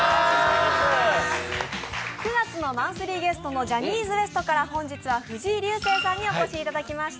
９月のマンスリーゲストのジャニーズＷＥＳＴから本日は藤井流星さんにお越し頂きました。